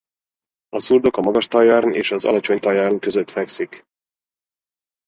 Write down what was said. A szurdok a Magas-Tauern és az Alacsony-Tauern között fekszik.